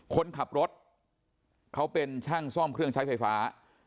คนขับรถเขาเป็นช่างซ่อมเครื่องใช้ไฟฟ้า